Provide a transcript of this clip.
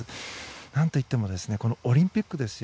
なんといってもオリンピックですよ。